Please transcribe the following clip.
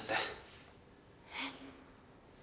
えっ。